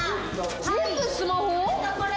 全部スマホ？